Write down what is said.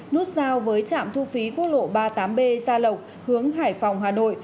nút giao với trạm thu phí quốc lộ ba mươi tám b gia lộc hướng hải phòng hà nội